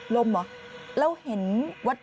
ลมหรอ